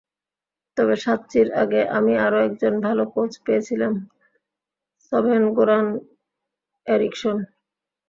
তবে সাচ্চির আগে আমি আরও একজন ভালো কোচ পেয়েছিলাম—সভেন গোরান এরিকসন।